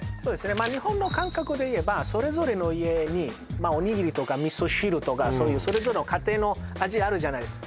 まあ日本の感覚で言えばそれぞれの家におにぎりとか味噌汁とかそれぞれの家庭の味あるじゃないですか